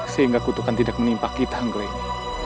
sehingga kutukkan tidak menimpa kita anggraini